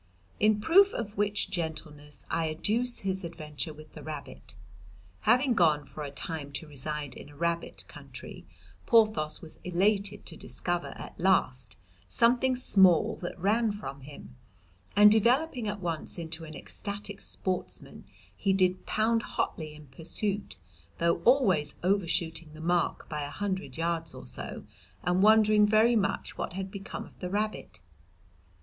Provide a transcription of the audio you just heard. "In proof of which gentleness I adduce his adventure with the rabbit. Having gone for a time to reside in a rabbit country Porthos was elated to discover at last something small that ran from him, and developing at once into an ecstatic sportsman he did pound hotly in pursuit, though always over shooting the mark by a hundred yards or so and wondering very much what had become of the rabbit.